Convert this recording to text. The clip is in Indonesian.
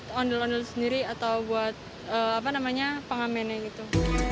untuk ondel ondel sendiri atau buat apa namanya pengamennya gitu